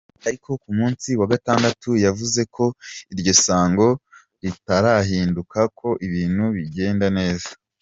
Ariko ku munsi wa gatandatu yavuze ko "iryo sango ritarahinduka" ko ibintu "bigenda neza".